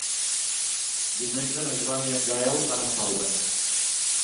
Diumenge na Joana i en Gaël van a Saldes.